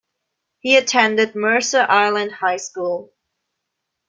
He attended Mercer Island High School.